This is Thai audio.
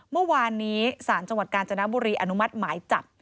เมื่อวานนี้ศาลจังหวัดกาญจนบุรีอนุมัติหมายจับ